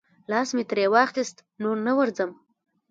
لاس مې ترې واخیست، نور نه ورځم.